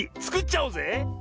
つくっちゃおうぜ。